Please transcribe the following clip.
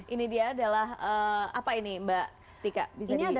ini dia adalah apa ini mbak tika bisa dijelaskan